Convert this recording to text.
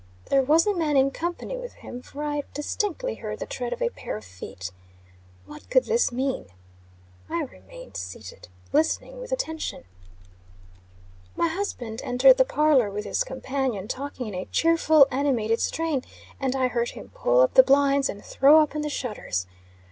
There was a man in company with him, for I distinctly heard the tread of a pair of feet. What could this mean? I remained seated, listening with attention. My husband entered the parlor with his companion, talking in a cheerful, animated strain; and I heard him pull up the blinds and throw open the shutters.